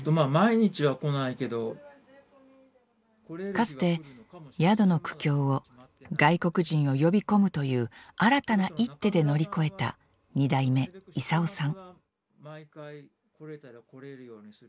かつて宿の苦境を外国人を呼び込むという新たな一手で乗り越えた２代目・功さん。